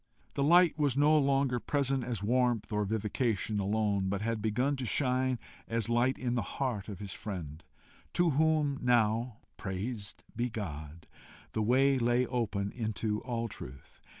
The light was no longer present as warmth or vivification alone, but had begun to shine as light in the heart of his friend, to whom now, praised be God! the way lay open into all truth.